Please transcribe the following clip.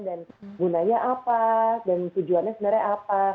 dan gunanya apa dan tujuannya sebenarnya apa